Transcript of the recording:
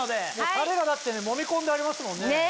タレがだってもみ込んでありますもんね。